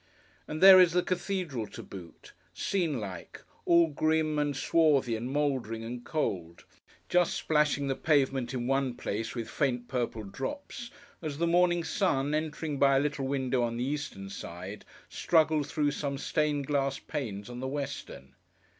And there is the cathedral to boot: scene like: all grim, and swarthy, and mouldering, and cold: just splashing the pavement in one place with faint purple drops, as the morning sun, entering by a little window on the eastern side, struggles through some stained glass panes, on the western.